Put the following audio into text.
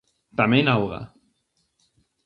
Tamén auga.